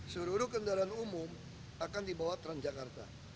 seluruh kendaraan umum akan dibawa transjakarta